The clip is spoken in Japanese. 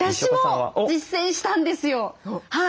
はい。